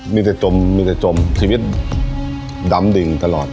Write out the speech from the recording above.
มีแต่จมมีแต่จมชีวิตดำดิ่งตลอด